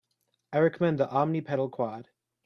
I recommend the Omni pedal Quad.